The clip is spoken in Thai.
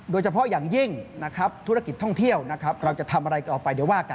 โดยเฉพาะอย่างยิ่งธุรกิจท่องเที่ยวเราจะทำอะไรออกไปเดี๋ยวว่ากัน